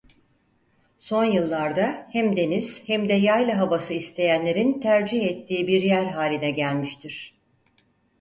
Son yıllarda hem deniz hem de yayla havası isteyenlerin tercih ettiği bir yer haline gelmiştir.